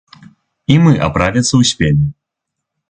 І мы аправіцца ўспелі.